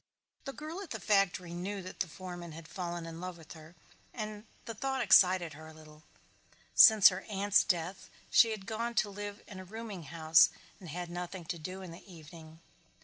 The girl at the factory knew the foreman had fallen in love with her and the thought excited her a little. Since her aunt's death she had gone to live in a rooming house and had nothing to do in the evening.